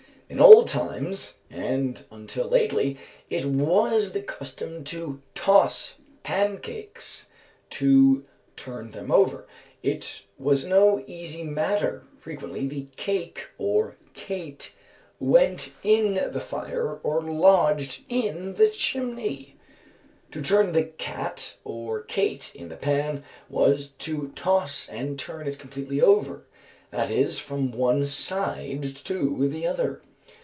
In olden times, and until lately, it was the custom to toss pancakes (to turn them over). It was no easy matter; frequently the cake or cate went in the fire or lodged in the chimney. To turn the cat or cate in the pan was to toss and turn it completely over, that is, from one side to the other.